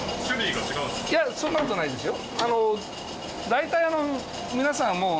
大体皆さんもう。